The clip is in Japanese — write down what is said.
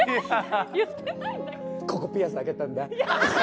ここピアス開けたんだ。